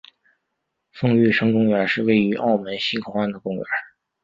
宋玉生公园是位于澳门新口岸的公园。